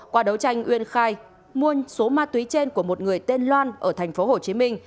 qua đấu tranh uyên khai mua số ma túy trên của một người tên loan ở thành phố hồ chí minh